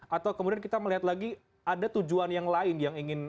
atau kemudian kita melihat lagi ada tujuan yang lain yang ingin